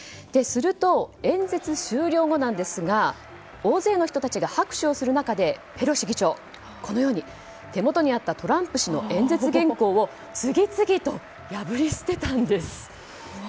すると、演説終了後ですが大勢の人たちが拍手をする中でペロシ議長、手元にあったトランプ氏の演説原稿を次々と破り捨てたんです。